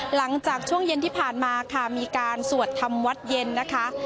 หลังจากช่วงเย็นที่ผ่านมาค่ะมีการสวดทำวัดเย็นนะคะ